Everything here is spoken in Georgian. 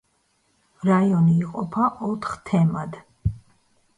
რაიონი იყოფა ოთხ თემად.